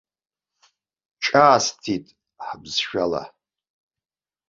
Ҿаасҭит ҳабызшәала.